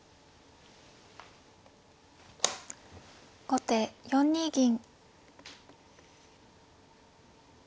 後手４二銀。